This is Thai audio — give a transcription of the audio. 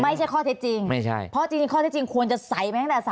ไม่ใช่ข้อเท็จจริงเพราะจริงข้อเท็จจริงควรจะใส่มาตั้งแต่ชั้นต้นเลย